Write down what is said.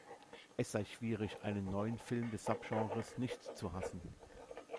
Es sei schwierig, einen neuen Film des Subgenres nicht zu hassen.